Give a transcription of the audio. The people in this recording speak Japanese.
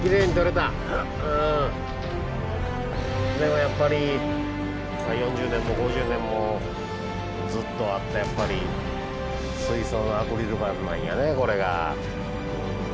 でもやっぱり４０年も５０年もずっとあったやっぱり水槽のアクリル板なんやねこれが。